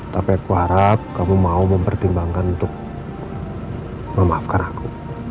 tapi aku harap kamu mau mempertimbangkan untuk memaafkan aku